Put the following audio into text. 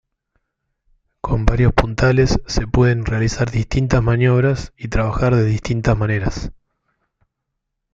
Con varios puntales se pueden realizar distintas maniobras y trabajar de distintas maneras.